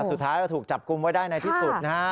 สุดท้ายก็ถูกจับกลุ่มไว้ได้ในที่สุดนะฮะ